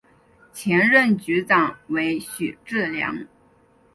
前任局长为许志梁。